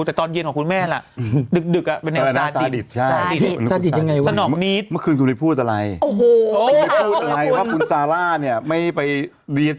แต่ตอนเย็นของคุณแม่ล่ะดึกเป็นแนวนาศาดิษฐ์